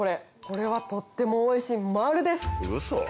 これはとってもおいしいマルです！